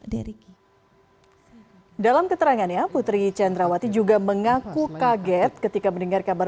de riki dalam keterangannya putri cendrawati juga mengaku kaget ketika mendengar kabar